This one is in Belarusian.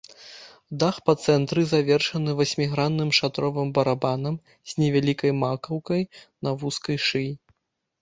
Дах па цэнтры завершаны васьмігранным шатровым барабанам з невялікай макаўкай на вузкай шыі.